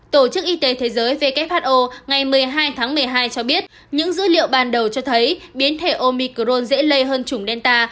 tổ chức y tế thế giới who ngày một mươi hai tháng một mươi hai cho biết những dữ liệu ban đầu cho thấy biến thể omicron dễ lây hơn chủng delta